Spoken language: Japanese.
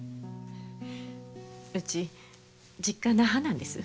うち実家、那覇なんです。